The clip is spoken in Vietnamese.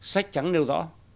sách trắng nêu rõ